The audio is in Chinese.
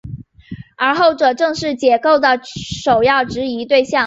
而后者正是解构的首要质疑对象。